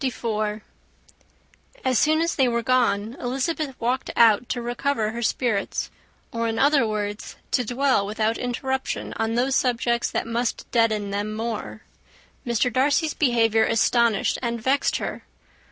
As soon as they were gone, Elizabeth walked out to recover her spirits; or, in other words, to dwell without interruption on those subjects which must deaden them more. Mr. Darcy's behaviour astonished and vexed her.